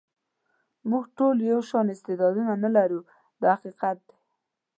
موږ ټول یو شان استعدادونه نه لرو دا حقیقت دی.